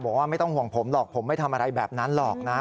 บอกว่าไม่ต้องห่วงผมหรอกผมไม่ทำอะไรแบบนั้นหรอกนะ